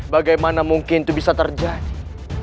bagaimana mungkin itu bisa terjadi